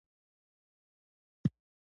ستاپه کور کې به وي. په اخېر کې ټولو دعا وکړه .